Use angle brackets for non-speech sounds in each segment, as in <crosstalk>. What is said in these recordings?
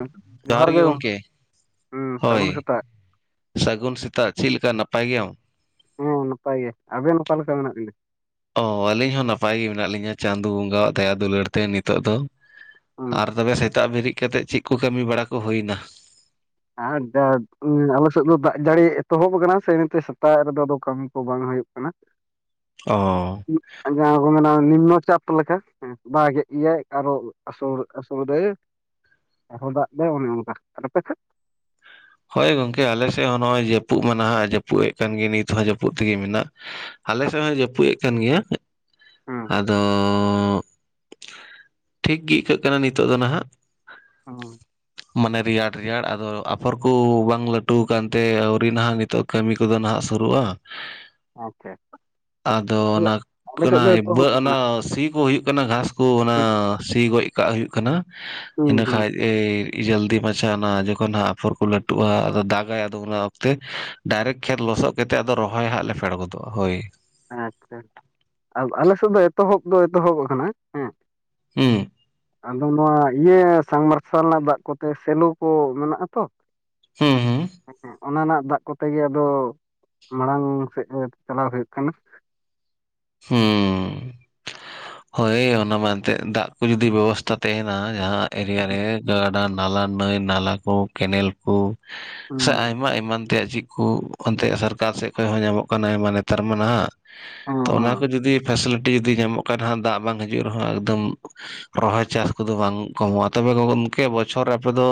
<unintelligible> ᱡᱚᱦᱟᱨ ᱜᱮ ᱜᱚᱝ <inaudible> ᱩᱸ ᱥᱟᱹᱜᱩᱱ ᱦᱳᱭ ᱥᱮᱛᱟᱜ ᱥᱟᱹᱜᱩᱱ ᱥᱮᱛᱟᱜ ᱪᱮᱫ ᱞᱮᱠᱟ ᱱᱟᱯᱟᱭ ᱜᱤᱭᱟᱢ ᱦᱮᱸ ᱱᱟᱯᱟᱭ ᱜᱮ ᱟᱸᱵᱮᱱ ᱚᱠᱟ ᱞᱮᱠᱟ ᱢᱮᱱᱟᱜ ᱵᱮᱱᱟ? ᱚ ᱟᱹᱞᱤᱧ ᱦᱚᱸ ᱱᱟᱯᱟᱭ ᱜᱮ ᱢᱮᱱᱟᱜ ᱞᱤᱧᱟᱹ ᱪᱟᱸᱫᱚ ᱵᱚᱸᱜᱟᱣᱟᱜ ᱫᱟᱭᱟ ᱫᱩᱞᱟᱹᱲ ᱛᱮ ᱱᱤᱛᱚᱜ ᱫᱚ᱾ ᱦᱩᱸ ᱟᱨ ᱛᱚᱵᱮ ᱥᱮᱛᱟᱜ ᱵᱮᱨᱮᱫ ᱠᱟᱛᱮᱫ ᱪᱮᱫ ᱠᱚ ᱠᱟᱹᱢᱤ ᱵᱟᱲᱟ ᱠᱚ ᱦᱩᱭ ᱮᱱᱟ? <unintelligible> ᱟᱞᱮ ᱥᱮᱫ ᱫᱚ ᱫᱟᱜ ᱡᱟᱹᱲᱤ ᱮᱛᱚᱦᱚᱵ ᱟᱠᱟᱱᱟ ᱥᱮ ᱤᱱᱟᱹᱛᱮ ᱥᱮᱛᱟᱜ ᱨᱮᱫᱚ ᱟᱫᱚ ᱠᱟᱹᱢᱤ ᱠᱚ ᱵᱟᱝ ᱦᱩᱭᱩᱜ ᱠᱟᱱᱟ <inaudible> ᱚᱹᱹ <unintelligible> ᱡᱟᱦᱟᱸ ᱠᱚ ᱢᱮᱱ-ᱟ ᱱᱤᱢᱟᱠ ᱪᱟᱴ ᱞᱮᱠᱟᱹ ᱵᱟ ᱜᱮ ᱤᱭᱟᱹ ᱟᱨᱚ ᱟᱥᱚᱲ ᱟᱥᱚᱲ ᱮᱫᱟᱭ ᱟᱨᱦᱚᱸ ᱫᱟᱜ ᱮᱫᱟᱭ ᱚᱱᱮ ᱚᱱᱠᱟ ᱟᱨ ᱟᱯᱮ ᱥᱮᱫ? ᱦᱳᱭ ᱜᱚᱝᱠᱮ ᱟᱞᱮ ᱥᱮᱫ ᱦᱚᱸ ᱱᱚᱜᱼᱚᱭ ᱡᱟᱹᱯᱩᱫ ᱢᱟ ᱱᱟᱦᱟᱸᱜ ᱡᱟᱹᱯᱩᱫ ᱮᱫ ᱠᱟᱱ ᱜᱮ ᱱᱤᱛ ᱦᱚᱸ ᱡᱟᱹᱯᱩᱫ ᱛᱮᱜᱮ ᱢᱮᱱᱟᱜ ᱟᱞᱮ ᱥᱮᱫ ᱦᱚᱸᱭ ᱡᱟᱹᱯᱩᱫ ᱮᱫ ᱠᱟᱱ ᱜᱮᱭᱟ ᱦᱩᱸ ᱟᱫᱚᱻ ᱴᱷᱤᱠ ᱜᱤ ᱟᱹᱭᱠᱟᱹᱜ ᱠᱟᱱᱟ ᱱᱤᱛᱚᱜ ᱫᱚ ᱱᱟᱦᱟᱸᱜ ᱦᱳᱭ ᱢᱟᱱᱮ ᱨᱮᱭᱟᱲ ᱨᱮᱭᱟᱲ ᱟᱫᱚ ᱟᱯᱷᱚᱨ ᱠᱚ ᱵᱟᱝ ᱞᱟᱹᱴᱩ ᱟᱠᱟᱱᱛᱮ ᱟᱹᱣᱨᱤ ᱱᱟᱦᱟᱜ ᱱᱤᱛᱚᱜ ᱠᱟᱹᱢᱤ ᱠᱚᱫᱚ ᱱᱟᱦᱟᱸᱜ ᱥᱩᱨᱩᱜᱼᱟ <inaudible> ᱟᱫᱚ ᱟᱞᱮ ᱚᱱᱟ ᱟᱞᱮ ᱥᱮᱫ ᱠᱟᱱᱟᱼᱼ ᱫᱚ ᱮᱛᱚᱦᱚᱵ ᱟᱠᱟᱱᱟ ᱚᱱᱟ ᱥᱤ ᱦᱚ ᱦᱩᱭᱩᱜ ᱠᱟᱱᱟ ᱜᱷᱟᱥ ᱠᱚ ᱚᱱᱟ ᱦᱩᱸ ᱥᱤ ᱜᱚᱡ ᱠᱟᱜ ᱦᱩᱭᱩᱜ ᱠᱟᱱᱟ ᱦᱩᱸ ᱦᱩᱸ ᱤᱱᱟᱹᱠᱷᱟᱡᱼᱼ ᱮᱭ ᱡᱚᱞᱫᱤ ᱢᱟᱪᱷᱟ ᱚᱱᱟ ᱡᱚᱠᱷᱚᱱ ᱦᱟᱸᱜ ᱟᱯᱷᱚᱨ ᱠᱚ ᱞᱟᱹᱴᱩᱜᱼᱟ ᱟᱫᱚ ᱫᱟᱜᱟᱭ ᱟᱫᱚ ᱚᱱᱟᱼᱼ ᱛᱮ ᱰᱟᱭᱨᱮᱠᱴ ᱠᱷᱮᱛ ᱞᱚᱥᱚᱫ ᱠᱟᱛᱮ ᱟ ᱨᱚᱦᱚᱭ ᱦᱟᱸᱜ ᱞᱮ ᱯᱷᱮᱰ ᱜᱚᱫᱚᱜᱼᱟ ᱦᱳᱭ ᱾ ᱟᱪᱪᱷᱟ ᱟᱞᱮ ᱥᱮᱫ ᱫᱚ ᱮᱛᱚᱦᱚᱵ ᱫᱚ ᱮᱛᱚᱦᱚᱵ ᱟᱠᱟᱱᱟ ᱦᱮᱸ, ᱦᱩᱸ ᱟᱫᱚ ᱱᱚᱣᱟ ᱤᱭᱟᱹ ᱥᱟᱢ ᱢᱟᱨᱥᱟᱞ ᱨᱮᱱᱟᱜ ᱫᱟᱜ ᱠᱚᱛᱮ ᱥᱮᱞᱳ ᱠᱚ ᱢᱮᱱᱟᱜᱼᱟ ᱛᱚ, ᱦᱩᱸ ᱦᱩᱸ ᱟᱪᱪᱷᱟ ᱚᱱᱟ ᱨᱮᱱᱟᱜ ᱫᱟᱜ ᱠᱚᱛᱮ ᱜᱮ ᱟᱫᱚ ᱢᱟᱲᱟᱝ ᱥᱮᱫ ᱪᱟᱞᱟᱣ ᱦᱩᱭᱩᱜᱼᱼ ᱠᱟᱱᱟ᱾ ᱦᱩᱸ ᱦᱳᱭ ᱚᱱᱟ ᱢᱟ ᱮᱱᱛᱮᱫ ᱫᱟᱜ ᱠᱚ ᱡᱩᱫᱤ ᱵᱮᱵᱚᱥᱛᱟ ᱛᱟᱦᱮᱱᱟ ᱡᱟᱦᱟᱸ ᱮᱨᱤᱭᱟ ᱨᱮᱼᱼ ᱜᱟᱰᱟ ᱱᱟᱞᱟ ᱱᱟᱹᱭ ᱱᱟᱞᱟ ᱠᱚ ᱠᱮᱱᱮᱞ ᱠᱚ ᱥᱮ ᱦᱩᱸ ᱟᱭᱢᱟ ᱮᱢᱟᱱ ᱛᱮᱭᱟᱜ ᱪᱮᱫᱼᱼ ᱠᱚ ᱚᱱᱛᱮ ᱥᱚᱨᱠᱟᱨ ᱥᱮᱫ ᱠᱷᱚᱡ ᱦᱚᱸ ᱧᱟᱢᱚᱜ ᱠᱟᱱᱟ ᱟᱭᱢᱟ ᱱᱮᱛᱟᱨ ᱢᱟ ᱱᱟ ᱦᱟᱸᱜ᱾ ᱚ ᱦᱚᱸ ᱚᱱᱟ ᱠᱚ ᱡᱩᱫᱤ ᱯᱷᱮᱥᱮᱞᱤᱴᱤ ᱡᱩᱫᱤ ᱧᱟᱢᱚᱜ ᱠᱟᱱ ᱨᱮᱦᱚᱸ ᱫᱟᱜ ᱵᱟᱝ ᱦᱤᱡᱩᱜ ᱨᱮᱦᱚᱸ ᱮᱠᱫᱚᱢᱼᱼ ᱨᱚᱦᱚᱭ ᱪᱟᱥ ᱠᱚᱫᱚ ᱵᱟᱝ ᱠᱚᱢᱚᱜᱼᱟ ᱛᱚᱵᱮ ᱜᱚᱝᱠᱮ ᱵᱚᱪᱷᱚᱨ ᱨᱮ ᱟᱯᱮ ᱫᱚᱼᱼ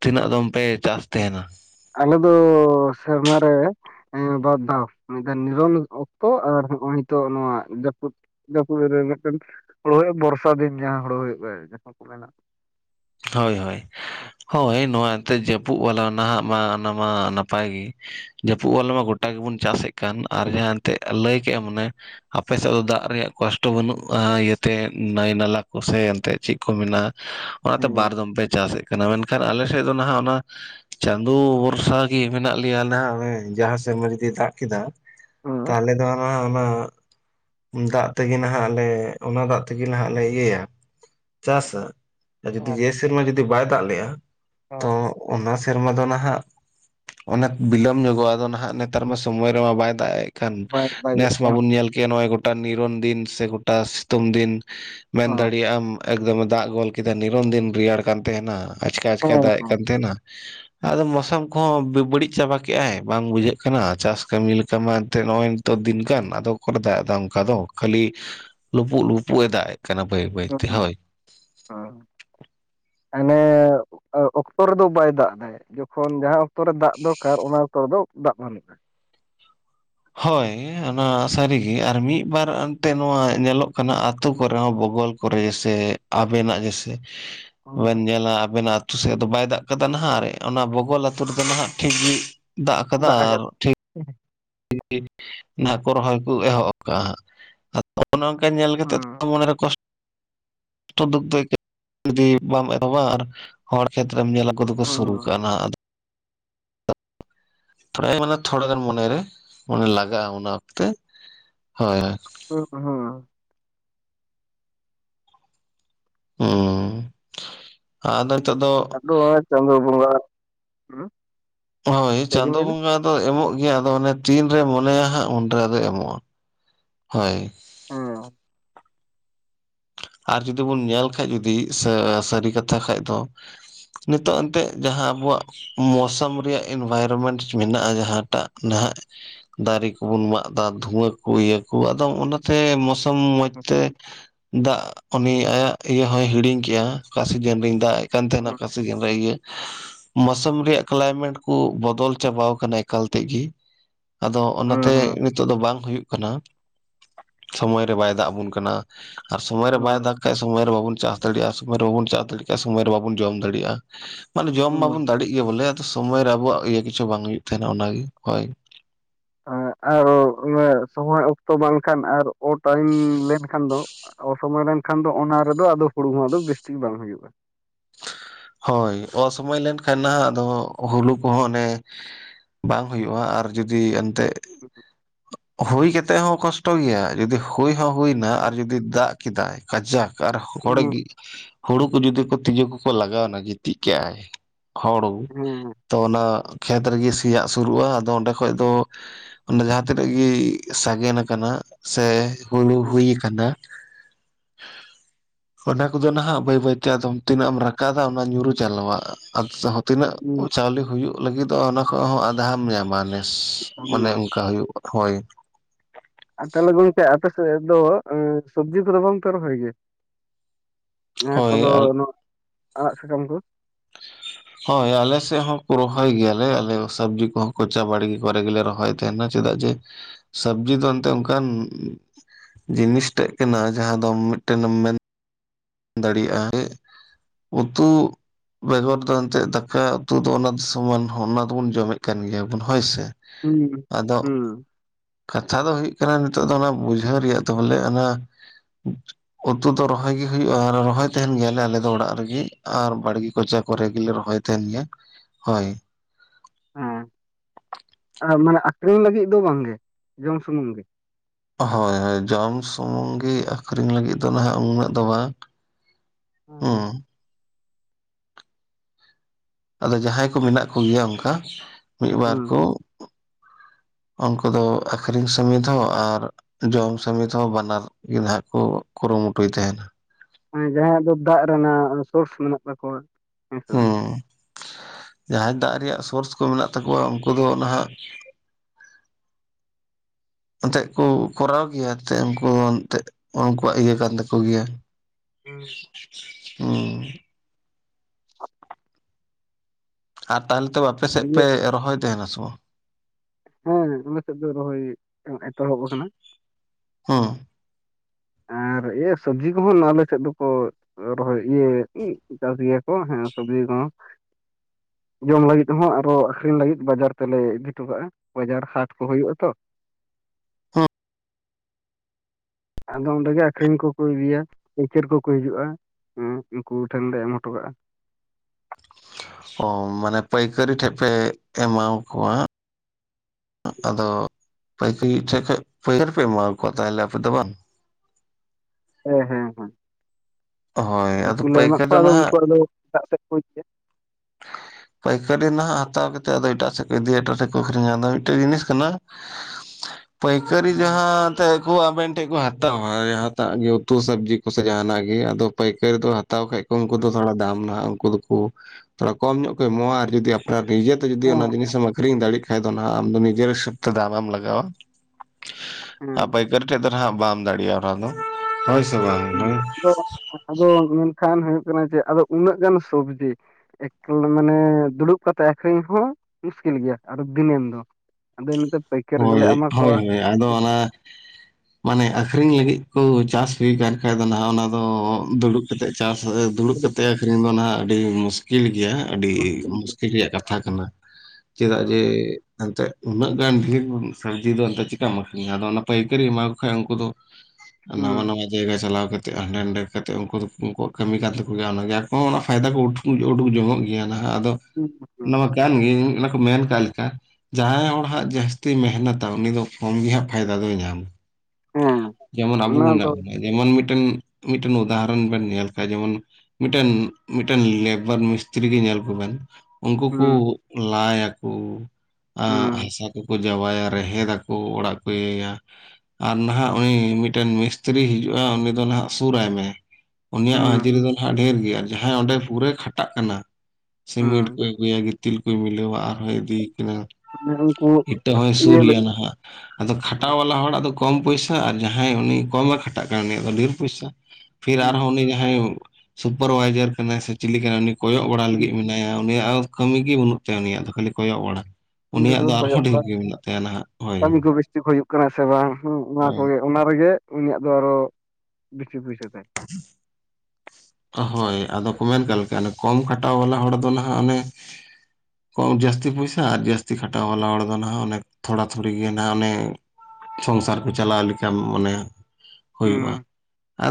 ᱛᱤᱱᱟᱹᱜ ᱫᱚᱢ ᱯᱮ ᱪᱟᱥ ᱛᱟᱦᱮᱱᱟ? ᱟᱞᱮ ᱫᱚ ᱥᱮᱨᱢᱟ ᱨᱮᱼᱼ ᱮᱸ ᱵᱟᱨ ᱫᱷᱟᱣ ᱢᱤᱫ ᱫᱷᱟᱣ ᱱᱤᱨᱚᱱ ᱚᱠᱛᱚ ᱟᱨ ᱱᱚᱜᱼᱚᱭ ᱱᱤᱛᱚᱜ ᱱᱚᱣᱟ ᱡᱟᱹᱯᱩᱫᱼᱼ ᱡᱟᱹᱯᱩᱫ ᱨᱮ ᱢᱤᱫᱴᱮᱱ ᱦᱩᱲ ᱦᱩᱭᱩᱜ ᱵᱚᱨᱥᱟ ᱫᱤᱱ ᱡᱟᱦᱟᱸ ᱦᱩᱲᱩ ᱦᱩᱭᱩᱜ ᱜᱮ ᱡᱟᱦᱟᱸ ᱠᱚ ᱢᱮᱱᱟᱼᱼ ᱦᱳᱭ ᱦᱳᱭ᱾ ᱦᱳᱭ ᱱᱚᱣᱟ ᱮᱱᱛᱮᱜ ᱡᱟᱹᱯᱩᱫ ᱵᱟᱞᱟ ᱱᱟᱼᱦᱟᱸᱜ ᱢᱟ ᱚᱱᱟ ᱢᱟ ᱱᱟᱯᱟᱭ ᱜᱮ, ᱡᱟᱹᱯᱩᱫ ᱵᱟᱞᱮ ᱢᱟ ᱜᱚᱴᱟ ᱜᱮᱵᱚᱱ ᱪᱟᱥᱮᱫ ᱠᱟᱱ ᱟᱨ ᱡᱟᱦᱟᱸ ᱮᱱᱛᱮᱫ ᱞᱟᱹᱭ ᱠᱮᱫ ᱟᱢ ᱚᱱᱮᱼᱼ ᱟᱯᱮ ᱥᱮᱫ ᱫᱚ ᱫᱟᱜ ᱨᱮᱭᱟᱜ ᱠᱚᱥᱴᱚ ᱵᱟᱹᱱᱩᱜᱼᱟ ᱤᱭᱟᱹᱛᱮ ᱱᱟᱹᱭ ᱱᱟᱞᱟ ᱠᱚ ᱥᱮ ᱮᱱᱛᱮᱜ ᱪᱮᱫ ᱠᱚ ᱢᱮᱱᱟᱜᱼᱟ᱾ ᱚᱱᱟᱛᱮ ᱦᱮᱸ ᱵᱟᱨ ᱫᱚᱢ ᱯᱮ ᱪᱟᱥᱮᱫ ᱠᱟᱱᱟ ᱢᱮᱱᱠᱷᱟᱱ ᱟᱞᱮ ᱥᱮᱫ ᱫᱚ ᱱᱟᱼᱦᱟᱸᱜ ᱚᱱᱟᱼᱼ ᱪᱟᱸᱫᱳ ᱵᱷᱚᱨᱥᱟ ᱜᱮ ᱢᱮᱱᱟᱜ ᱞᱮᱭᱟ ᱱᱟᱼᱦᱟᱸᱜ ᱡᱟᱦᱟᱸ ᱥᱮᱫ ᱢᱟ ᱡᱩᱫᱤᱭ ᱫᱟᱜ ᱠᱮᱫᱟᱼᱼ ᱦᱮᱸ ᱛᱟᱦᱚᱞᱮ ᱫᱚ ᱚᱱᱟ ᱚᱱᱟᱼᱼ ᱫᱟᱜ ᱛᱮᱜᱮ ᱱᱟᱦᱟᱜ ᱞᱮ ᱚᱱᱟ ᱫᱟᱜ ᱛᱮᱜᱮ ᱱᱟᱦᱟᱜ ᱞᱮ ᱤᱭᱟᱹᱭᱟ ᱪᱟᱥᱟ᱾ ᱟᱨ ᱡᱩᱫᱤ ᱱᱤᱭᱟᱹ ᱟᱪᱪᱷᱟ ᱥᱮᱨᱢᱟ ᱡᱩᱫᱤ ᱵᱟᱭ ᱫᱟᱜ ᱞᱮᱼᱟ ᱛᱚ ᱚᱱᱟ ᱥᱮᱨᱢᱟ ᱫᱚ ᱱᱟᱦᱟᱜᱼᱼ ᱚᱱᱟ ᱵᱤᱞᱚᱢ ᱧᱚᱜᱚᱜᱼᱟ ᱟᱫᱚ ᱱᱟᱦᱟᱜ ᱱᱮᱛᱟᱨ ᱢᱟ ᱥᱚᱢᱚᱭ ᱨᱮᱢᱟ ᱵᱟᱭ ᱫᱟᱜ ᱮᱫ᱾ ᱠᱷᱟᱱ ᱵᱟᱭ ᱫᱟᱜᱮᱫ ᱱᱮᱥ ᱠᱟᱱ ᱢᱟᱵᱚᱱ ᱧᱮᱞ ᱠᱮᱜ ᱱᱚᱜᱼᱚᱭ ᱜᱚᱴᱟ ᱱᱤᱨᱚᱱ ᱫᱤᱱ ᱥᱮ ᱜᱚᱴᱟᱼᱼ ᱥᱤᱛᱩᱝ ᱫᱤᱱ ᱢᱮᱱ ᱦᱳᱭ ᱫᱟᱲᱮᱭᱟᱜ ᱟᱢ ᱮᱠᱫᱚᱢᱮ ᱫᱟᱜ ᱜᱚᱫ ᱠᱮᱫᱟ ᱱᱤᱨᱚᱱ ᱫᱤᱱ ᱨᱮᱭᱟᱲ ᱠᱟᱱ ᱛᱟᱦᱮᱱᱟ᱾ ᱟᱪᱠᱟ ᱦᱮᱸ ᱟᱪᱠᱟ ᱫᱟᱜ ᱮᱫ ᱦᱮᱸ ᱠᱟᱱ ᱛᱟᱦᱮᱱᱟ᱾ ᱟᱫᱚ ᱢᱳᱥᱚᱢ ᱠᱚᱦᱚᱸ ᱵᱟᱹᱲᱤᱡ ᱪᱟᱵᱟ ᱠᱮᱜᱼᱟᱭ ᱵᱟᱝ ᱵᱩᱡᱷᱟᱹᱜ ᱠᱟᱱᱟ ᱪᱟᱥ ᱠᱟᱹᱢᱤ ᱞᱮᱠᱟᱢᱟ ᱮᱱᱛᱮᱫ ᱱᱚᱜᱼᱚᱭᱼᱼ ᱛᱚ ᱫᱤᱱ ᱠᱟᱱ ᱟᱫᱚ ᱩᱠᱩᱨᱮ ᱫᱟᱜ ᱮᱫᱟ ᱚᱱᱠᱟ ᱫᱚ ᱠᱷᱟᱹᱞᱤ ᱞᱩᱯᱩᱜ ᱞᱩᱯᱩᱜ ᱮ ᱫᱟᱭᱼᱼ ᱠᱟᱱᱟ ᱵᱟᱹᱭ ᱵᱟᱹᱭᱛᱮ ᱦᱳᱭ᱾ ᱦᱩᱸ ᱦᱟᱱᱮᱼᱼ ᱟᱨ ᱚᱠᱛᱚ ᱨᱮᱫᱚ ᱵᱟᱭ ᱫᱟᱜ ᱮᱫᱟ ᱡᱚᱠᱷᱚᱱ ᱡᱟᱦᱟᱸ ᱚᱠᱛᱚ ᱨᱮ ᱫᱟᱜ ᱫᱚᱨᱠᱟᱨ ᱚᱱᱟ ᱚᱠᱛᱚ ᱨᱮᱫᱚ ᱫᱟᱜ ᱵᱟᱹᱱᱩᱜᱼᱟ᱾ ᱦᱳᱭ ᱚᱱᱟ ᱥᱟᱹᱨᱤ ᱜᱮ ᱟᱨ ᱢᱤᱫ ᱵᱟᱨ ᱮᱱᱛᱮ ᱱᱚᱣᱟ ᱧᱮᱞᱚᱜ ᱠᱟᱱᱟ ᱟᱛᱳ ᱠᱚᱨᱮ ᱦᱚᱸ ᱵᱷᱳᱜᱳᱞᱼᱼ ᱠᱚᱨᱮ ᱥᱮ ᱟᱵᱮᱱᱟᱜ ᱡᱮᱭᱥᱮᱼᱼ ᱵᱮᱱ ᱦᱮᱸ ᱧᱮᱞᱟ ᱟᱵᱮᱱᱟᱜ ᱟᱹᱛᱩ ᱥᱮᱫ ᱫᱚ ᱵᱟᱭ ᱫᱟᱜ ᱠᱟᱫᱟ ᱱᱟᱦᱟᱜ ᱟᱨ ᱚᱱᱟ ᱵᱩᱜᱚᱞ ᱟᱛᱳ ᱨᱮᱫᱚ ᱱᱟᱦᱟᱜ ᱴᱷᱤᱠ ᱜᱤᱼᱼ ᱫᱟᱜ ᱟᱠᱟᱫᱟ, ᱟᱨ ᱴᱷᱤᱠᱼᱼ ᱦᱮᱸ <unintelligible> <inaudible> ᱚᱱᱟ ᱠᱚ ᱨᱚᱦᱚᱭ ᱠᱚ ᱮᱦᱚᱵ ᱠᱟᱜᱼᱟ ᱚᱱᱮ ᱚᱱᱠᱟ ᱧᱮᱞ ᱠᱟᱛᱮᱫᱚ ᱢᱚᱱᱮ ᱨᱮ ᱠᱚᱥᱴᱚ ᱠᱚᱥᱴᱚ ᱫᱩᱠ ᱫᱚ <unintelligible> ᱡᱩᱫᱤ ᱵᱟᱢ ᱮᱦᱚᱵᱟ ᱟᱨ ᱦᱚᱲ ᱠᱷᱮᱛ ᱨᱮᱢ ᱧᱮᱞᱟᱢ ᱫᱚᱠᱚ ᱦᱩᱸ ᱥᱩᱨᱩ ᱠᱟᱜ-ᱟ ᱱᱟᱦᱟᱜ ᱯᱨᱟᱭ <unintelligible> ᱢᱟᱱᱮ ᱛᱷᱚᱲᱟ ᱜᱟᱱ ᱢᱚᱱᱮ ᱨᱮ ᱚᱱᱟ ᱞᱟᱜᱟᱜᱼᱟ ᱚᱱᱟ ᱚᱠᱛᱮ, ᱦᱳᱭ <unintelligible> ᱦᱩᱸ, ᱟᱫᱚ ᱱᱤᱛᱚᱜ ᱫᱚ ᱪᱟᱸᱫᱩ ᱵᱚᱸᱜᱟ ᱦᱳᱭ ᱪᱮᱫ ᱵᱤᱱ ᱪᱟᱸᱫᱚ ᱞᱟᱹᱭ ᱫᱟ? ᱵᱚᱸᱜᱟ ᱫᱚ ᱮᱢᱚᱜ ᱜᱮᱭᱟ ᱟᱫᱚ ᱚᱱᱮ ᱛᱤᱱᱨᱮ ᱢᱚᱱᱮᱭᱟ ᱦᱟᱸᱜ ᱩᱱᱨᱮ ᱟᱫᱚᱭ ᱮᱢᱚᱜ-ᱟ, ᱦᱳᱭ ᱚᱻ ᱟᱨ ᱡᱩᱫᱤ ᱵᱚᱱ ᱧᱮᱞ ᱠᱷᱟᱡ ᱡᱩᱫᱤ ᱥᱮ ᱥᱟᱹᱨᱤ ᱠᱟᱛᱷᱟ ᱠᱷᱟᱡ ᱫᱚ ᱱᱤᱛᱚᱜ ᱮᱱᱛᱮᱜ ᱡᱟᱦᱟᱸ ᱟᱵᱚᱣᱟᱜ ᱢᱳᱥᱳᱢ ᱨᱮᱭᱟᱜ ᱤᱱᱵᱷᱟᱨᱢᱮᱱᱴ ᱢᱮᱱᱟᱜ-ᱟ ᱡᱟᱦᱟᱸᱴᱟᱜ ᱱᱟᱦᱟᱜ ᱫᱟᱨᱮ ᱠᱚᱵᱚᱱ ᱢᱟᱜ ᱮᱫᱟ ᱫᱷᱩᱣᱟᱹ ᱠᱚ ᱤᱭᱟᱹ ᱠᱚ ᱟᱫᱚ ᱚᱱᱟ ᱛᱮ ᱢᱳᱥᱳᱢ ᱢᱚᱸᱡᱽ ᱛᱮ ᱫᱟᱜ ᱩᱱᱤ ᱟᱭᱟᱜ ᱤᱭᱟᱹ ᱦᱚᱸᱭ ᱦᱤᱲᱤᱧ ᱠᱮᱜᱼᱟ ᱚᱠᱟ ᱥᱤᱡᱤᱱ ᱨᱤᱧ ᱫᱟᱜ ᱮᱫ ᱠᱟᱱ ᱛᱟᱦᱮᱱᱟ ᱦᱩᱸ ᱚᱠᱟ ᱥᱤᱡᱤᱱ ᱨᱮ ᱤᱭᱟᱹ ᱢᱳᱥᱩᱢ ᱨᱮᱭᱟᱜ ᱠᱞᱟᱭᱢᱮᱴ ᱠᱚ ᱵᱚᱫᱚᱞ ᱪᱟᱵᱟᱣ ᱟᱠᱟᱱᱟ ᱮᱠᱟᱞ ᱛᱮᱜᱤ ᱟᱫᱚ ᱦᱩᱸ ᱚᱱᱟᱛᱮ ᱦᱩᱸ ᱱᱤᱛᱚᱜ ᱫᱚ ᱵᱟᱝ ᱦᱩᱭᱩᱜ ᱠᱟᱱᱟ, ᱥᱚᱢᱚᱭ ᱨᱮ ᱵᱟᱭ ᱫᱟᱜ ᱟᱵᱚᱱ ᱠᱟᱱᱟ ᱾ ᱟᱨ ᱥᱚᱢᱚᱭ ᱨᱮ ᱵᱟᱭ ᱦᱩᱸ ᱫᱟᱜ ᱠᱷᱟᱡ ᱥᱚᱢᱚᱭ ᱨᱮ ᱵᱟᱵᱚᱱ ᱪᱟᱥ ᱫᱟᱲᱮᱭᱟᱜᱼᱟ ᱥᱚᱢᱚᱭ ᱨᱮ ᱵᱟᱵᱚᱱ ᱪᱟᱥ ᱫᱟᱲᱮᱭᱟᱜ ᱠᱷᱟᱡ ᱥᱚᱢᱚᱭ ᱨᱮ ᱵᱟᱵᱚᱱ ᱡᱚᱢ ᱫᱟᱲᱮᱭᱟᱜᱼᱟ ᱾ ᱢᱟᱱᱮ ᱡᱚᱢ ᱦᱩᱸ ᱢᱟᱵᱚᱱ ᱫᱟᱲᱮᱜ ᱜᱮ ᱵᱚᱞᱮ ᱟᱫᱚ ᱥᱚᱢᱚᱭ ᱨᱮ ᱟᱵᱚᱣᱟᱜ ᱤᱭᱟᱹ ᱠᱤᱪᱷᱩ ᱵᱟᱝ ᱦᱩᱭᱩᱜ ᱛᱟᱦᱮᱸᱱᱟ ᱚᱱᱟᱜᱮ ᱦᱳᱭ ᱾ ᱟᱨ ᱥᱚᱢᱚᱭ ᱚᱠᱛᱚ ᱵᱟᱝᱠᱷᱟᱱ ᱟᱨ ᱚ ᱴᱟᱭᱤᱢ ᱞᱮᱱᱠᱷᱟᱱ ᱫᱚ ᱚᱥᱚᱢᱚᱭ ᱞᱮᱱᱠᱷᱟᱱ ᱫᱚ ᱚᱱᱟ ᱨᱮᱫᱚ ᱟᱫᱚ ᱦᱩᱲᱩ ᱦᱚᱸ ᱫᱚ ᱵᱮᱥᱴᱷᱤᱠ ᱵᱟᱝ ᱦᱩᱭᱩᱜᱼᱟ ᱾ ᱦᱳᱭ ᱚᱥᱚᱢᱚᱭ ᱞᱮᱱᱠᱷᱟᱱ ᱱᱟ ᱟᱫᱚ ᱦᱩᱲᱩ ᱠᱚᱦᱚᱸ ᱚᱱᱮ ᱵᱟᱝ ᱦᱩᱭᱩᱜᱼᱟ ᱟᱨ ᱡᱩᱫᱤ ᱦᱳᱭ ᱠᱟᱛᱮ ᱦᱚᱸ ᱠᱚᱥᱴᱚ ᱜᱮᱭᱟ, ᱡᱩᱫᱤ ᱦᱩᱭ ᱦᱚᱸ ᱦᱩᱭᱱᱟ ᱟᱨ ᱡᱩᱫᱤ ᱫᱟᱜ ᱠᱮᱫᱟᱭ ᱠᱟᱡᱟᱠ ᱟᱨ ᱦᱚᱲ ᱦᱩᱸ ᱜᱤ ᱦᱩᱲᱩ ᱠᱚ ᱡᱩᱫᱤ ᱠᱚ ᱛᱤᱡᱩ ᱠᱚᱠᱚ ᱞᱟᱜᱟᱣᱱᱟ ᱜᱤᱛᱤᱡ ᱠᱟᱜᱼ ᱟᱭ ᱦᱚᱲᱩ, ᱛᱚ ᱚᱱᱟ ᱠᱷᱮᱛ ᱨᱮᱜᱮ ᱥᱮᱭᱟᱜ ᱥᱩᱨᱩᱜᱼᱟ ᱟᱫᱚ ᱚᱸᱰᱮ ᱠᱷᱚᱡ ᱫᱚ ᱚᱱᱟ ᱡᱟᱦᱟᱸ ᱛᱤᱱᱟᱹᱜ ᱜᱤ ᱥᱟᱜᱮᱱ ᱟᱠᱟᱱᱟ ᱥᱮ ᱦᱩᱲᱩ ᱦᱩᱭ ᱟᱠᱟᱱᱟ ᱚᱱᱟ ᱠᱚᱫᱚ ᱱᱟᱦᱟᱜ ᱵᱟᱹᱭ ᱵᱟᱹᱭᱛᱮ ᱟᱫᱚᱢ ᱛᱤᱱᱟᱹᱜ ᱮᱢ ᱨᱟᱠᱟᱵ ᱚᱱᱟ ᱧᱩᱨᱩ ᱪᱟᱞᱟᱣᱟ ᱟ <unintelligible> ᱡᱟᱦᱟᱸ ᱛᱤᱱᱟᱹᱜ ᱦᱮᱸ ᱪᱟᱣᱞᱮ ᱦᱩᱭᱩᱜ ᱞᱟᱹᱜᱤᱫᱚᱜ ᱚᱱᱟ ᱠᱷᱚᱡ ᱦᱚᱸ ᱟᱫᱷᱟᱢ ᱧᱟᱢᱟ ᱱᱮᱥ ᱚᱱᱮ ᱦᱩᱸ ᱚᱱᱠᱟ ᱦᱩᱭᱩᱜ ᱦᱳᱭ ᱾ ᱟᱨ ᱛᱟᱞᱦᱮ ᱜᱚᱝᱠᱮ ᱟᱯᱮ ᱥᱮᱫ ᱫᱚ ᱮᱸ ᱥᱚᱵᱽᱡᱤ ᱠᱚᱫᱚ ᱵᱟᱝ ᱯᱮ ᱨᱚᱦᱚᱭ ᱜᱮᱭᱟ? ᱱᱤᱭᱟᱹ ᱦᱳᱭ ᱠᱚᱫᱚ ᱩᱱᱟᱹᱜ ᱟᱲᱟᱜ ᱥᱟᱠᱟᱢ ᱠᱚ ᱦᱳᱭ ᱟᱞᱮ ᱥᱮᱫ ᱦᱚᱸᱠᱚ ᱨᱚᱦᱚᱭ ᱜᱮᱭᱟᱞᱮ ᱟᱞᱮ ᱥᱚᱵᱽᱡᱤ ᱠᱚᱦᱚᱸ ᱠᱚᱪᱟ ᱵᱟᱲᱜᱮ ᱠᱚᱨᱮ ᱜᱮᱞᱮ ᱨᱚᱦᱚᱭ ᱛᱟᱦᱮᱸᱱᱟ, ᱪᱮᱫᱟᱜ ᱡᱮ ᱥᱚᱵᱽᱡᱤ ᱫᱚ ᱚᱱᱛᱮ ᱚᱱᱠᱟᱱ ᱡᱤᱱᱤᱥ ᱴᱮᱡ ᱠᱟᱱᱟ ᱡᱟᱦᱟᱸ ᱫᱚ ᱢᱤᱫᱴᱮᱱ ᱢᱮᱱ ᱫᱟᱲᱮᱭᱟᱜᱼᱟ ᱦᱮᱸ ᱩᱛᱩ ᱵᱮᱜᱚᱨ ᱫᱚ ᱮᱱᱛᱮᱫ ᱫᱟᱠᱟ ᱩᱛᱩ ᱫᱚ ᱚᱱᱟ ᱥᱚᱢᱟᱱ ᱚᱱᱟ ᱫᱚᱵᱚᱱ ᱡᱚᱢᱮᱫ ᱠᱟᱱ ᱜᱮᱭᱟᱵᱚᱱ ᱦᱳᱭᱥᱮ ᱾ ᱦᱩᱸ ᱦᱩᱸ ᱠᱟᱛᱷᱟ ᱫᱚ ᱦᱩᱭᱩᱜ ᱠᱟᱱᱟ ᱱᱤᱛᱚᱜ ᱫᱚ ᱚᱱᱟ ᱵᱩᱡᱷᱟᱹᱣ ᱨᱮᱭᱟᱜ ᱛᱚᱞᱮ ᱚᱱᱟ ᱩᱛᱩ ᱫᱚ ᱨᱚᱦᱚᱭ ᱜᱮ ᱦᱩᱭᱩᱜᱼᱟ ᱨᱚᱦᱚᱭ ᱛᱟᱦᱮᱸᱱ ᱜᱮᱭᱟᱞᱮ ᱟᱞᱮ ᱫᱚ ᱚᱲᱟᱜ ᱨᱮᱜᱮ ᱟᱨ ᱵᱟᱲᱜᱮ ᱠᱚᱪᱟ ᱠᱚᱨᱮ ᱜᱮᱞᱮ ᱨᱚᱦᱚᱭ ᱛᱟᱦᱮᱸᱱ ᱜᱮᱭᱟ ᱾ ᱦᱳᱭ ᱦᱮᱸ ᱟᱨ ᱢᱟᱱᱮ ᱟᱠᱷᱨᱤᱧ ᱞᱟᱹᱜᱤᱫ ᱫᱚ ᱵᱟᱝᱜᱮ ᱡᱚᱢ ᱥᱩᱱᱩᱢ ᱜᱮ ᱾ ᱦᱳᱭ ᱦᱳᱭ ᱡᱚᱢ ᱥᱩᱢᱩᱝ ᱜᱮ ᱟᱠᱷᱨᱤᱧ ᱞᱟᱹᱜᱤᱫ ᱫᱚ ᱱᱟᱦᱟᱜ ᱩᱱᱟᱹᱜ ᱫᱚ ᱵᱟᱝ ᱾ ᱦᱸ <unintelligible> ᱟᱫᱚ ᱡᱟᱦᱟᱸᱭ ᱠᱚ ᱢᱮᱱᱟᱜ ᱠᱚᱜᱮᱭᱟ ᱚᱱᱠᱟ ᱢᱤᱫᱵᱟᱨ ᱠᱚ᱾ ᱩᱱᱠᱩ ᱫᱚ ᱟᱠᱷᱨᱤᱧ ᱥᱩᱢᱤᱫ ᱦᱚᱸ ᱟᱨᱼᱼ ᱡᱚᱢ ᱥᱚᱢᱤᱛ ᱦᱚᱸ ᱵᱟᱱᱟᱨ ᱜᱮ ᱱᱟᱦᱟᱜ ᱠᱚ ᱠᱩᱨᱩ ᱢᱩᱴᱩᱭ ᱛᱟᱦᱮᱱᱟ᱾ ᱡᱟᱦᱟᱸᱭᱟᱜ ᱫᱚ ᱫᱟᱜ ᱨᱮᱱᱟᱜ ᱥᱳᱨᱥ ᱢᱮᱱᱟᱜ ᱛᱟᱠᱚᱣᱟ᱾ ᱦᱮᱸ ᱥᱮ ᱦᱩᱸ ᱵᱟᱝ ᱡᱟᱦᱟᱸᱭ ᱫᱟᱜ ᱨᱮᱭᱟᱜ ᱥᱳᱨᱥ ᱠᱚ ᱢᱮᱱᱟᱜ ᱛᱟᱠᱚᱣᱟ ᱩᱱᱠᱩ ᱫᱚ ᱱᱟᱦᱟᱜᱼᱼ ᱮᱱᱛᱮᱫ ᱠᱩ ᱠᱚᱨᱟᱣ ᱜᱮᱭᱟ ᱮᱱᱛᱮᱫ ᱩᱱᱠᱩ ᱮᱱᱛᱮᱫ ᱩᱱᱠᱩᱣᱟᱜ ᱤᱭᱟᱹ ᱠᱟᱱ ᱛᱟᱠᱚ ᱜᱮᱭᱟ᱾ ᱦᱩᱸ ᱟᱨ ᱛᱟᱦᱚᱞᱮ ᱛᱚ ᱟᱯᱮ ᱥᱮᱫ ᱤᱭᱟᱹ ᱯᱮ ᱨᱚᱦᱚᱭ ᱛᱟᱦᱮᱸᱱᱟ ᱥᱮ ᱵᱟᱝ? ᱦᱮᱸ ᱟᱞᱮ ᱥᱮᱫ ᱫᱚ ᱨᱚᱦᱚᱭ ᱮᱛᱚ ᱦᱚᱵ ᱟᱠᱟᱱᱟ᱾ ᱦᱩᱸ ᱟᱨ ᱤᱭᱟᱹ ᱥᱚᱵᱽᱡᱤ ᱠᱚᱦᱚᱸ ᱟᱞᱮ ᱥᱮᱫ ᱫᱚᱠᱚᱼᱼ ᱨᱚᱦᱚᱭ ᱤᱭᱟᱹ ᱪᱟᱥ ᱜᱮᱭᱟ ᱠᱚ ᱦᱮᱸ ᱥᱚᱵᱡᱤ ᱠᱚᱸᱦᱚᱸ᱾ ᱡᱚᱢ ᱞᱟᱹᱜᱤᱫ ᱦᱚᱸ ᱟᱨᱚ ᱟᱹᱠᱷᱨᱤᱧ ᱞᱟᱹᱜᱤᱫ ᱵᱟᱡᱟᱨ ᱛᱮᱞᱮ ᱤᱫᱤ ᱦᱚᱴᱚ ᱠᱟᱜᱼᱟ᱾ ᱵᱟᱡᱟᱨ ᱦᱟᱴ ᱠᱚ ᱦᱩᱭᱩᱜᱼᱟ ᱛᱚ᱾ ᱦᱩᱸ ᱟᱫᱚ ᱚᱸᱰᱮ ᱜᱮ ᱟᱠᱷᱨᱤᱧ ᱠᱚᱠᱚ ᱤᱫᱤᱭᱟ ᱯᱟᱹᱭᱪᱟᱹᱨ ᱠᱚ ᱠᱚ ᱦᱤᱡᱩᱜᱼᱟ᱾ ᱦᱩᱸ ᱩᱱᱠᱩ ᱴᱷᱮᱱ ᱞᱮ ᱮᱢ ᱦᱚᱴᱚ ᱠᱟᱜᱼᱟ᱾ ᱚ ᱢᱟᱱᱮ ᱯᱟᱹᱭᱠᱟᱹᱨᱤ ᱴᱷᱮᱡ ᱯᱮ ᱮᱢᱟᱣ ᱠᱚᱣᱟ᱾ ᱟᱫᱚ ᱯᱟᱹᱭᱠᱟᱹᱨᱤ ᱴᱷᱮᱡ ᱠᱷᱚᱡ ᱯᱟᱹᱭᱠᱟᱹᱨ ᱯᱮ ᱮᱢᱟᱣᱟ ᱠᱚᱣᱟ ᱛᱟᱦᱚᱞᱮ ᱟᱯᱮ ᱫᱚ ᱵᱟᱝ? ᱦᱮᱸ ᱦᱮᱸ ᱦᱮᱸ᱾ ᱦᱳᱭ ᱟᱫᱚ ᱩᱱᱠᱩ ᱞᱮ ᱮᱢᱟᱫ ᱯᱟᱹᱭᱠᱟᱹᱨᱤ ᱠᱚᱣᱟ ᱟᱫᱚ ᱱᱟᱦᱟᱜ ᱩᱱᱠᱩ ᱟᱫᱚ ᱫᱟᱜ ᱥᱮᱫ ᱠᱚ ᱤᱫᱤᱭᱟ᱾ ᱯᱟᱹᱭᱠᱟᱹᱨᱤ ᱱᱟᱦᱟᱜ ᱦᱟᱛᱟᱣ ᱠᱟᱛᱮᱫ ᱟᱫᱚ ᱮᱴᱟᱜ ᱥᱮᱫ ᱠᱚ ᱤᱫᱤᱭᱟ ᱮᱴᱟᱜ ᱥᱮᱫ ᱠᱚ ᱟᱹᱠᱷᱨᱤᱧᱟ ᱟᱫᱚ ᱢᱤᱫᱴᱮᱡ ᱡᱤᱱᱤᱥ ᱠᱟᱱᱟᱼᱼ ᱯᱟᱹᱭᱠᱟᱹᱨᱤ ᱦᱮᱸ ᱡᱟᱦᱟᱸᱼᱼ ᱛᱮ ᱟᱹᱜᱩ ᱟᱵᱮᱱ ᱴᱷᱮᱡ ᱠᱚ ᱦᱟᱛᱟᱣᱟ ᱡᱟᱦᱟᱸᱴᱟᱜ ᱜᱮ ᱩᱛᱩ ᱥᱚᱵᱽᱡᱤ ᱠᱚᱥ ᱡᱟᱦᱟᱱᱟᱜ ᱜᱮ ᱟᱫᱚ ᱯᱟᱹᱭᱠᱟᱹᱨᱤ ᱫᱚᱼᱼ ᱦᱟᱛᱟᱣ ᱠᱷᱟᱡ ᱠᱚ ᱩᱱᱠᱩ ᱫᱚ ᱛᱷᱚᱲᱟ ᱫᱟᱢ ᱱᱟ ᱩᱱᱠᱩ ᱫᱚᱠᱚᱼᱼ ᱛᱷᱚᱲᱟ ᱠᱚᱢ ᱧᱚᱜ ᱠᱚ ᱮᱢᱚᱜᱼᱟ ᱟᱨ ᱡᱩᱫᱤ ᱟᱯᱱᱟᱨ ᱱᱤᱡᱮ ᱛᱮ ᱡᱩᱫᱤ ᱚᱱᱟ ᱡᱤᱱᱤᱥᱮᱢ ᱟᱠᱷᱨᱤᱧ ᱫᱟᱲᱮᱜᱼᱼ ᱠᱷᱟᱢ ᱫᱚ ᱚᱱᱟ ᱟᱢᱫᱚ ᱱᱤᱡᱮᱨ ᱦᱤᱥᱟᱹᱵ ᱛᱮ ᱫᱟᱢ ᱮᱢ ᱞᱟᱜᱟᱣᱟ ᱟᱨ ᱦᱮᱸ ᱯᱟᱹᱭᱠᱟᱹᱨᱤ ᱴᱷᱮᱡ ᱫᱚᱼᱼ ᱦᱟᱸᱜ ᱵᱟᱢ ᱫᱟᱲᱮᱭᱟᱜᱼᱟ ᱚᱱᱟ ᱫᱚ᱾ ᱦᱳᱭ ᱥᱮ ᱵᱟᱝ? ᱦᱩ ᱦᱳᱭ ᱟᱫᱚ ᱟᱫᱚ ᱢᱮᱱᱠᱷᱟᱱ ᱦᱩᱭᱩᱜ ᱠᱟᱱᱟ ᱡᱮ ᱟᱫᱚ ᱩᱱᱟᱹᱜ ᱜᱟᱱ ᱥᱚᱵᱡᱤᱼᱼ ᱮᱠ ᱠᱟᱞ ᱢᱟᱱᱮ ᱫᱩᱲᱩᱵ ᱠᱟᱛᱮᱜ ᱟᱠᱷᱨᱤᱧ ᱦᱚᱸ ᱢᱩᱥᱠᱤᱞ ᱜᱮᱭᱟ ᱟᱨ ᱫᱤᱱᱟᱹᱢ ᱫᱚ᱾ ᱟᱫᱚ ᱤᱱᱟᱹᱜ ᱛᱮ ᱯᱟᱹᱭᱠᱼᱼ ᱦᱳᱭ ᱦᱚᱭ ᱦᱚᱭ ᱟᱫᱚ ᱚᱱᱟ ᱢᱟᱱᱮ ᱟᱠᱷᱨᱤᱧ ᱞᱟᱹᱜᱤᱫ ᱠᱩ ᱪᱟᱥ ᱦᱩᱭ ᱠᱟᱱ ᱠᱷᱟᱡ ᱫᱚ ᱱᱟᱦᱟᱜ ᱚᱱᱟᱼᱼ ᱟᱫᱚ ᱫᱩᱲᱩᱵ ᱠᱟᱛᱮᱫ ᱪᱟᱥ ᱫᱩᱲᱩᱵ ᱠᱟᱛᱮᱜ ᱟᱠᱷᱨᱤᱧ ᱫᱚ ᱱᱟᱦᱟᱜ ᱟᱹᱰᱤ ᱢᱩᱥᱠᱤᱞ ᱜᱮᱭᱟ᱾ ᱟᱹᱰᱤ ᱢᱩᱥᱠᱤᱞ ᱨᱮᱭᱟᱜ ᱠᱟᱛᱷᱟ ᱠᱟᱱᱟ ᱪᱮᱫᱟᱜ ᱡᱮ ᱦᱩᱸ ᱮᱱᱛᱮᱫ ᱩᱱᱟᱹᱜ ᱜᱟᱱ ᱵᱷᱤᱲ ᱥᱚᱵᱽᱡᱤ ᱫᱚ ᱮᱱᱛᱮᱜ ᱪᱤᱠᱟᱢ ᱟᱹᱠᱷᱨᱤᱧᱟ ᱟᱫᱚ ᱚᱱᱟ ᱯᱟᱹᱭᱠᱟᱹᱨᱤ ᱮᱢᱟᱣ ᱠᱚ ᱠᱷᱟᱡ ᱩᱱᱠᱩ ᱫᱚ ᱱᱟᱣᱟ ᱦᱩᱸ ᱱᱟᱣᱟᱼᱼ ᱡᱟᱭᱜᱟ ᱪᱟᱞᱟᱣ ᱠᱟᱛᱮ ᱦᱟᱸᱰᱮ ᱱᱟᱸᱰᱮ ᱠᱟᱛᱮᱫ ᱩᱱᱠᱩ ᱫᱚ ᱩᱱᱠᱩᱭᱟᱜ ᱠᱟᱹᱢᱤ ᱠᱟᱱ ᱛᱟᱠᱚ ᱜᱮᱭᱟ ᱚᱱᱟᱜᱮ ᱟᱠᱚ ᱦᱚᱸ ᱚᱱᱟ ᱯᱷᱟᱭᱫᱟ ᱠᱚ ᱩᱴᱷᱟᱹ ᱛᱩᱡ ᱩᱰᱩᱠ ᱡᱚᱝᱚᱜ ᱜᱮᱭᱟ ᱱᱟᱦᱟᱜ ᱟᱫᱚᱼᱼ <inaudible> ᱠᱟᱱ ᱜᱤᱭᱟᱹᱧ ᱚᱱᱟ ᱠᱚ ᱢᱮᱱ ᱟᱠᱟᱜ ᱞᱮᱠᱟ ᱡᱟᱦᱟᱸᱭ ᱦᱚᱲ ᱦᱟᱸᱜ ᱡᱟᱹᱥᱼᱼ ᱛᱤᱭ ᱢᱮᱦᱱᱚᱛᱟ ᱩᱱᱤ ᱫᱚ ᱠᱚᱢ ᱜᱮ ᱦᱟᱸᱜ ᱯᱷᱟᱭᱫᱟ ᱫᱚᱭ ᱧᱟᱢᱟ ᱦᱮᱸ ᱡᱮᱢᱚᱱ ᱟᱵᱚ ᱚᱱᱟ ᱢᱮᱱᱟᱜ ᱫᱚ ᱵᱚᱱᱟ᱾ ᱡᱮᱢᱚᱱ ᱢᱤᱫᱴᱮᱱ ᱢᱤᱫᱴᱮᱱ ᱩᱫᱟᱦᱚᱨᱚᱱ ᱵᱮᱱ ᱧᱮᱞ ᱠᱷᱟᱡ ᱡᱮᱢᱚᱱ᱾ ᱢᱤᱫᱴᱮᱱ ᱢᱤᱫᱴᱮᱱ ᱞᱮᱵᱟᱨ ᱢᱤᱥᱛᱨᱤ ᱜᱮ ᱧᱮᱞ ᱠᱚᱵᱮᱱ ᱩᱱᱠᱩ ᱠᱩ ᱦᱩᱸ ᱞᱟᱭ ᱟᱹᱠᱩ ᱦᱩᱸ ᱦᱟᱥᱟ ᱠᱩ ᱡᱟᱶᱟᱭᱟ ᱨᱮᱦᱮᱫᱟᱠᱚ ᱚᱲᱟᱜ ᱠᱚ ᱤᱭᱟᱹᱭᱟ᱾ ᱟᱨ ᱱᱟᱦᱟᱜ ᱩᱱᱤ ᱢᱤᱫᱴᱮᱱ ᱢᱤᱥᱛᱨᱤ ᱦᱤᱡᱩᱜᱼᱟ ᱩᱱᱤ ᱫᱚ ᱱᱟᱦᱟᱜ ᱥᱩᱨᱟᱭ ᱢᱮ᱾ ᱩᱱᱤᱭᱟᱜ ᱦᱩᱸ ᱦᱟᱹᱡᱨᱤ ᱫᱚ ᱱᱟᱦᱟᱸᱜ ᱰᱷᱮᱨ ᱜᱮᱭᱟ ᱡᱟᱦᱟᱸᱭ ᱚᱸᱰᱮ ᱯᱩᱨᱟᱹ ᱠᱷᱟᱴᱟᱜ ᱠᱟᱱᱟ᱾ ᱥᱤᱢᱮᱱᱴ ᱦᱩᱸ ᱠᱚᱭ ᱟᱹᱜᱩᱭᱟ ᱜᱤᱛᱤᱞ ᱠᱚᱭ ᱢᱤᱞᱟᱹᱣᱟ ᱟᱨᱦᱚᱸᱭ ᱤᱫᱤᱭᱤᱠᱤᱱᱟ᱾ <unintelligible> ᱤᱴᱟᱹ ᱦᱚᱸᱭ ᱥᱩᱨ ᱤᱭᱟᱹ ᱜᱮᱭᱟ ᱞᱮᱠᱟ ᱱᱟᱦᱟᱸᱜ ᱾ ᱟᱫᱚ ᱠᱷᱟᱴᱟᱣ ᱣᱟᱞᱟ ᱦᱚᱲᱟᱜ ᱫᱚ ᱠᱚᱢ ᱯᱚᱭᱥᱟ, ᱟᱨ ᱡᱟᱦᱟᱸᱭ ᱩᱱᱤ ᱠᱚᱢᱮ ᱠᱷᱟᱴᱟᱜ ᱠᱟᱱᱟ ᱩᱱᱤᱭᱟᱜ ᱫᱚ ᱰᱷᱤᱨ ᱯᱩᱭᱥᱟ᱾ ᱯᱷᱤᱨ ᱟᱨᱦᱚᱸ ᱩᱱᱤ ᱡᱟᱦᱟᱸᱭ ᱩᱱᱤ ᱥᱩᱯᱟᱨᱵᱟᱭᱡᱟᱨ ᱠᱟᱱᱟᱭ ᱥᱮ ᱪᱤᱞᱤ ᱠᱟᱱᱟᱭ ᱩᱱᱤ? ᱠᱚᱭᱚᱜ ᱵᱟᱲᱟ ᱞᱟᱹᱜᱤᱫ ᱢᱮᱱᱟᱭᱟ, ᱩᱱᱤᱭᱟᱜ ᱠᱟᱹᱢᱤ ᱜᱮ ᱵᱟᱹᱱᱩᱜ ᱛᱟᱭᱟ ᱩᱱᱤᱭᱟᱜ ᱫᱚ ᱠᱷᱟᱹᱞᱤ ᱠᱚᱭᱚᱜ ᱵᱟᱲᱟ, ᱦᱩᱸ ᱩᱱᱤᱭᱟᱜ ᱫᱚ ᱟᱨᱦᱚᱸ ᱰᱷᱮᱨ <unintelligible> ᱜᱮ ᱢᱮᱱᱟᱜ ᱛᱟᱭᱟ ᱱᱟᱦᱟᱜ ᱦᱳᱭ ᱠᱟᱹᱢᱤ ᱠᱚ ᱵᱮᱥ ᱴᱷᱤᱠ ᱦᱩᱭᱩᱜ ᱠᱟᱱᱟ ᱥᱮ ᱵᱟᱝ? ᱚᱱᱟ ᱦᱳᱭ ᱠᱚ ᱜᱮ ᱚᱱᱟ ᱨᱮᱜᱮᱜ ᱩᱱᱤᱭᱟᱜ ᱫᱚ ᱟᱨᱚ ᱵᱮᱥᱤ ᱯᱩᱭᱥᱟᱹ ᱛᱟᱭ ᱾ <inaudible> ᱦᱳᱭ ᱟᱫᱚ ᱠᱚ ᱢᱮᱱ ᱠᱟᱜ ᱞᱮ ᱞᱮᱠᱟ ᱠᱚᱢ ᱠᱷᱟᱴᱟᱣ ᱣᱟᱞᱟ ᱦᱚᱲ ᱫᱚ ᱦᱟᱸᱜ ᱚᱱᱮ <inaudible> ᱠᱚᱢ ᱡᱟᱹᱥᱛᱤ ᱯᱚᱭᱥᱟ ᱟᱨ ᱡᱟᱹᱥᱛᱤ ᱠᱷᱟᱴᱟᱣ ᱣᱟᱞᱟ ᱦᱚᱲᱫᱚ ᱱᱟᱦᱟᱸᱜ ᱚᱱᱮ ᱛᱷᱚᱲᱟ ᱛᱷᱩᱲᱤ ᱜᱮ ᱱᱟᱦᱟᱸᱜ ᱚᱱᱮ ᱥᱚᱝᱥᱟᱨ ᱠᱚ ᱪᱟᱞᱟᱣ ᱞᱮᱠᱟᱢ ᱢᱚᱱᱮ ᱦᱩᱭᱩᱜᱼᱟ ᱾ ᱦᱩᱸ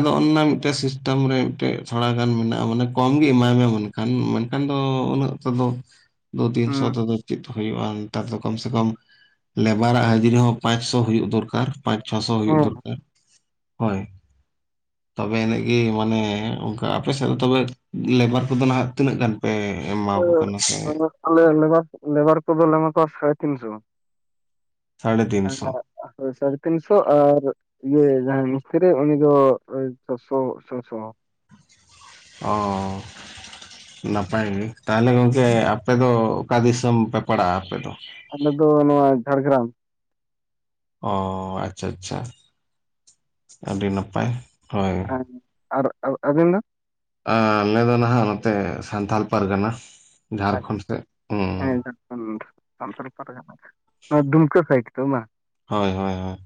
ᱟᱫᱚ ᱚᱱᱼᱱᱟ ᱢᱤᱫᱴᱮᱜ ᱥᱤᱥᱴᱮᱢ ᱨᱮ ᱢᱤᱫᱴᱮᱡ ᱛᱷᱚᱲ ᱜᱟᱱ ᱢᱮᱱᱟᱜᱼᱟ ᱢᱟᱱᱮ ᱠᱚᱢ ᱜᱮ ᱮᱢᱟᱭ ᱢᱮ ᱢᱮᱱᱠᱷᱟᱱ ᱢᱮᱱᱠᱷᱟᱱ ᱫᱚ ᱩᱱᱟᱹᱜ <unintelligible> ᱫᱳ ᱛᱤᱱ ᱥᱳ ᱦᱩᱸ ᱛᱮ ᱫᱚ ᱪᱮᱫ ᱩᱭᱩᱜᱼᱟ ᱱᱮᱛᱟᱨ ᱫᱚ ᱠᱚᱢ ᱥᱮ ᱠᱚᱢ ᱞᱮᱵᱟᱨᱟᱜ ᱦᱟᱹᱡᱨᱤ ᱦᱚᱸ ᱯᱟᱸᱪ ᱥᱳ ᱦᱩᱭᱩᱜ ᱫᱚᱨᱠᱟᱨ ᱯᱟᱸᱪ ᱪᱷᱚ ᱥᱳ ᱦᱩᱭᱩᱜ ᱦᱮᱸ ᱫᱚᱨᱠᱟᱨ ᱦᱳᱭᱼᱼᱼ ᱛᱚᱵᱮ ᱮᱱᱮᱜ ᱜᱮ ᱢᱟᱱᱮ ᱚᱱᱠᱟ ᱟᱯᱮᱥᱮᱜ ᱫᱚ ᱛᱚᱵᱮ ᱞᱮᱵᱟᱨ ᱠᱚᱫᱚ ᱱᱟᱦᱟᱜ ᱛᱤᱱᱟᱹᱜ ᱜᱟᱱ? ᱯᱮ ᱮᱢᱟᱠᱚ <unintelligible> ᱠᱟᱱᱟ ᱥᱮ ᱟᱞᱮ ᱞᱮᱵᱟᱨ ᱠᱚᱫᱚ ᱞᱮ ᱮᱢᱟ ᱠᱚᱣᱟ ᱥᱟᱲᱮ ᱛᱤᱱᱥᱳ᱾ ᱥᱟᱲᱮ ᱛᱤᱱᱥᱚ <unintelligible> ᱥᱟᱲᱮ ᱛᱤᱱ ᱥᱳ ᱟᱨ ᱤᱭᱟᱹ ᱡᱟᱦᱟᱸᱭ ᱢᱤᱥᱛᱨᱤ ᱩᱱᱤ ᱫᱚ ᱪᱷᱚ ᱥᱳ ᱥᱚᱼᱥᱚ ᱾ ᱚᱸᱻ, ᱱᱟᱯᱟᱭ ᱜᱮ ᱛᱟᱦᱞᱮ ᱜᱚᱝᱠᱮ ᱟᱯᱮ ᱫᱚ ᱚᱠᱟ ᱫᱤᱥᱚᱢ ᱯᱮ ᱯᱟᱲᱟᱜᱼᱟ ᱟᱯᱮ ᱫᱚ? ᱟᱞᱮ ᱫᱚ ᱱᱚᱣᱟ ᱡᱷᱟᱲᱜᱨᱟᱢ᱾ ᱚ ᱟᱪᱪᱷᱟ ᱟᱪᱪᱷᱟ ᱟᱹᱰᱤ ᱱᱟᱯᱟᱭ᱾ ᱦᱳᱭ ᱟᱨ ᱟᱨ ᱟᱹᱵᱤᱱ ᱫᱚ? ᱟᱸᱻᱞᱮᱸ ᱫᱚ ᱱᱟᱦᱟᱸᱜ ᱱᱚᱛᱮ ᱥᱟᱱᱛᱷᱟᱞ ᱯᱟᱨᱜᱟᱱᱟ᱾ ᱡᱷᱟᱲᱠᱷᱚᱸᱰ ᱥᱮᱫ ᱟᱪᱪᱷᱟ ᱦᱩᱸ ᱦᱮᱸ ᱡᱷᱟᱨᱠᱷᱚᱱᱰ ᱥᱟᱱᱛᱷᱟᱞ ᱯᱟᱨᱜᱟᱱᱟ <unintelligible> ᱩᱢᱠᱟᱹ ᱥᱟᱭᱤᱴ ᱛᱚ ᱵᱟᱝ? ᱦᱳᱭ, ᱦᱳᱭ, ᱦᱳᱭ ᱾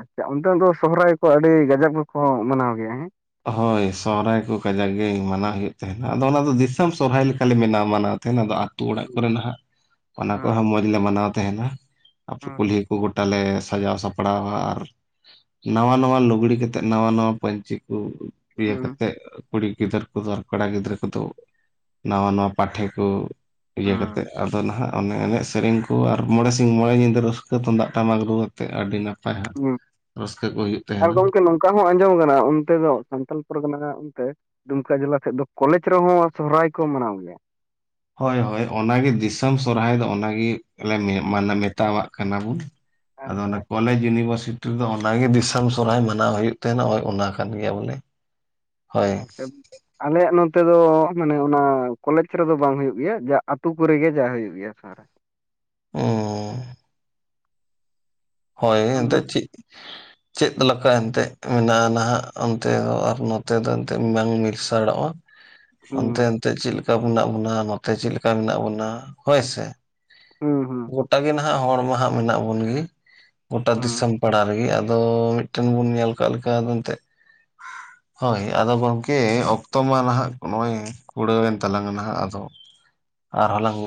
ᱟᱪᱪᱷᱟ ᱚᱱᱛᱮ ᱫᱚ ᱥᱚᱦᱨᱟᱭ ᱠᱚ ᱟᱹᱰᱤ ᱜᱟᱡᱟᱵ ᱜᱮ ᱠᱚ ᱢᱟᱱᱟᱣ ᱜᱮᱭᱟ ᱦᱮᱸ? ᱦᱳᱭ ᱥᱚᱦᱦᱟᱭ ᱠᱚ ᱠᱟᱡᱟᱠ ᱜᱮ ᱢᱟᱱᱟᱜ ᱦᱩᱭᱩᱜ ᱛᱟᱦᱮᱱᱟ ᱟᱫᱚ, ᱚᱱᱟ ᱫᱚ ᱫᱤᱥᱚᱢ ᱥᱚᱦᱨᱟᱭ ᱞᱮᱠᱟᱞᱮ ᱢᱮᱱᱟ ᱢᱟᱱᱟᱣ ᱛᱟᱦᱮᱱᱟ ᱟᱫᱚ? ᱟᱹᱛᱩ ᱚᱲᱟᱜ ᱠᱚᱨᱮ ᱱᱷᱟᱜ, ᱚᱱᱟ ᱠᱚ ᱦᱩᱸ ᱦᱟᱸᱜ ᱚᱸᱡᱽ ᱞᱮ ᱢᱟᱱᱟᱣ ᱛᱟᱦᱮᱱᱟ᱾ <unintelligible> ᱦᱩᱸ ᱠᱩᱞᱦᱤ ᱠᱚ ᱜᱚᱴ <unintelligible> ᱞᱮ ᱥᱟᱡᱟᱣ ᱥᱟᱯᱲᱟᱣᱟ ᱟᱨ ᱱᱟᱣᱟ ᱱᱟᱣᱟ ᱞᱩᱜᱽᱲᱤ ᱠᱟᱛᱮᱜ ᱱᱟᱣᱟ ᱱᱟᱣᱟ ᱯᱟᱹᱧᱪᱤᱠ, <unintelligible> ᱤᱭᱟᱹ ᱠᱟᱛᱮᱜ ᱠᱩᱲᱤ ᱜᱤᱫᱟᱹᱨ <unintelligible> ᱠᱚᱫᱚ ᱟᱨ ᱠᱚᱲᱟ ᱜᱤᱫᱽᱨᱟᱹ ᱠᱚᱫᱚ? ᱱᱟᱣᱟ ᱱᱟᱣᱟ ᱯᱟᱴᱷᱮ ᱠᱚ ᱦᱩᱸ ᱤᱭᱟᱹ ᱠᱟᱛᱮᱜ ᱟᱫᱚ ᱱᱷᱟᱜ ᱚᱱᱮ ᱮᱱᱮᱡ ᱥᱮᱨᱮᱧ ᱠᱚ ᱟᱨ ᱢᱚᱬᱮ ᱥᱤᱧ ᱢᱚᱬᱮ ᱧᱤᱫᱟᱹ ᱨᱟᱹᱥᱠᱟᱹ ᱛᱩᱢᱫᱟᱜ ᱴᱟᱢᱟᱠ ᱨᱩᱼᱟᱛᱮᱜ ᱟᱹᱰᱤ ᱱᱟᱯ <unintelligible> ᱟᱨ ᱜᱚᱝᱠᱮ ᱱᱚ ᱠᱟ ᱦᱚᱸ ᱟᱸᱡᱚᱢ ᱟᱠᱟᱱᱟ ᱚᱱᱛᱮ ᱫᱚ ᱥᱟᱱᱛᱟᱞ ᱯᱟᱨᱜᱟᱱᱟ ᱦᱟᱸᱜ ᱚᱱᱛᱮ? ᱰᱩᱢᱠᱟ ᱡᱮᱞᱟ ᱥᱮᱜ ᱫᱚ ᱠᱚᱞᱮᱡᱽ ᱨᱮᱦᱚᱸ ᱥᱚᱦᱨᱟᱭ ᱠᱚ ᱢᱟᱱᱟᱣ ᱜᱮᱭᱟ᱾ ᱦᱳᱭ ᱦᱳᱭ ᱚᱱᱟᱜᱮ ᱫᱤᱥᱟᱹᱢ ᱥᱚᱨᱦᱟᱭ ᱫᱚ ᱚᱱᱟ ᱜᱮ <unintelligible> ᱢᱮᱛᱟᱣᱟᱜ ᱠᱟᱱᱟ ᱵᱚᱱ ᱟᱫᱚ ᱚᱱᱟ ᱟᱪᱪᱷᱟ ᱠᱚ, ᱠᱚᱞᱮᱡᱽ ᱤᱭᱩᱱᱤᱵᱚᱨᱥᱤᱴᱤ ᱨᱮᱫᱚ, ᱚᱱᱟᱜᱮ ᱫᱤᱥᱚᱢ ᱥᱚᱨᱦᱟᱭ ᱢᱟᱱᱟᱣ ᱦᱳᱭᱳᱜ ᱛᱟᱦᱮᱸᱱᱟ, ᱱᱚᱜᱼᱚᱭ ᱚᱱᱟ ᱠᱟᱱ ᱜᱮᱭᱟ ᱵᱚᱞᱮ ᱾ <unintelligible> <unintelligible> ᱟᱞᱮᱭᱟᱜ ᱱᱚᱛᱮ ᱫᱚ ᱢᱟᱱᱮ ᱚᱱᱟ ᱠᱚᱞᱮᱡᱽ ᱨᱮᱫᱚ ᱵᱟᱝ, ᱦᱳᱭᱳᱜ ᱜᱮᱭᱟ, ᱡᱟᱜ ᱟᱹᱛᱳ ᱠᱚᱨᱮ ᱜᱮ ᱡᱟ ᱦᱳᱭᱩᱳᱜ ᱜᱮᱭᱟ ᱥᱚᱦᱨᱟᱭ᱾ ᱩᱢᱸᱻ ᱦᱚᱭ ᱦᱩᱸ ᱱᱤᱛᱳᱜ ᱪᱮᱜ? <inaudible> <inaudible> ᱪᱮᱫ ᱞᱮᱠᱟ ᱮᱱᱛᱜ ᱢᱮᱱᱟᱜᱼᱟ, ᱱᱟᱦᱟᱜ ᱚᱱᱛᱮ ᱫᱚ ᱟᱨ ᱱᱚᱛᱮ ᱫᱚ, ᱮᱱᱛᱮᱜ ᱵᱟᱝ ᱢᱤᱥᱟᱲᱚᱜᱼᱟ᱾ <inaudible> <inaudible> ᱚᱱᱛᱮ ᱮᱱᱛᱮᱜ ᱪᱮᱜ ᱞᱮᱠᱟ ᱢᱮᱱᱟᱜ ᱵᱚᱱᱟ, ᱱᱚᱛᱮ ᱪᱮᱜᱞᱮᱠᱟ ᱢᱮᱱᱟᱜ ᱵᱚᱱᱟ, ᱦᱳᱭᱥᱮ? ᱦᱩᱸ ᱜᱚᱴᱟ ᱜᱮ ᱱᱟᱦᱟᱜ ᱦᱚᱲ ᱢᱟ, ᱦᱟᱸᱜ ᱢᱮᱱᱟᱜ ᱵᱚᱱ ᱜᱮ, ᱜᱚᱴᱟ ᱦᱩᱸ ᱫᱤᱥᱚᱢ ᱯᱟᱲᱟ ᱨᱮᱜᱮ ᱟᱫᱚ, ᱢᱤᱫᱴᱮᱱ ᱵᱚᱱ ᱧᱮᱞ ᱠᱟᱜ ᱞᱮᱠᱟ ᱟᱫᱚ ᱮᱱᱛᱮᱜ <inaudible> <inaudible> ᱦᱳᱭ ᱟᱫᱚ ᱜᱚᱝᱠᱮ, ᱚᱠᱛᱚ ᱢᱟ ᱱᱟᱦᱟᱜ ᱱᱚᱜᱼᱚᱭ ᱠᱩᱲᱟᱹᱣᱮᱱ ᱛᱟᱞᱟᱝ ᱱᱟᱦᱟᱜ, ᱟᱫᱚ ᱟᱨᱦᱚᱸ ᱞᱟᱝ